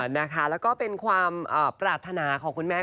แล้วก็เป็นความปรารถนาของคุณแม่